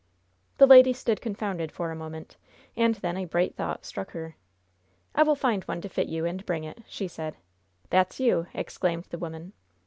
The lady stood confounded for a moment, and then a bright thought struck her. "I will find one to fit you, and bring it," she said. "That's you!" exclaimed the woman.